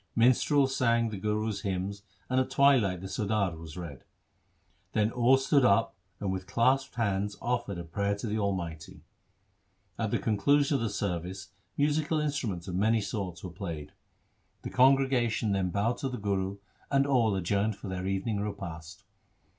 Minstrels sang the Guru's hymns and at twilight the ' Sodar ' was read. Then all stood up and with clasped hands, offered a prayer to the Almighty. At the conclusion of the service musical instruments of many sorts were played. The congregation then 1 Gujari. 6 THE SIKH RELIGION bowed to the Guru, and all adjourned for their evening repast.